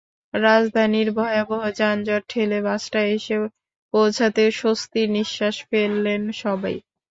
রাজধানীর ভয়াবহ যানজট ঠেলে বাসটা এসে পৌঁছাতে স্বস্তির নিশ্বাস ফেললেন সবাই।